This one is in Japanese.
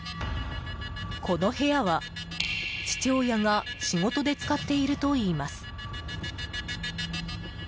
この部屋は、父親が仕事で使っているといいます。